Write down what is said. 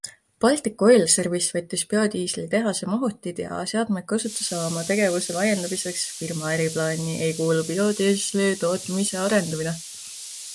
Baltic Oil Service võttis biodiislitehase mahutid ja seadmed kasutusele oma tegevuse laiendamiseks, firma äriplaani ei kuulu biodiisli tootmise arendamine.